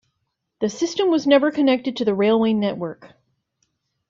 The system was never connected to the railway network.